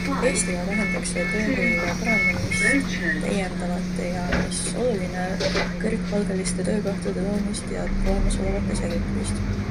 Eestile tähendaks see tööhõive parandamist, täiendavate - ja mis oluline - kõrgepalgaliste töökohtade loomist ja olemasolevate säilitamist.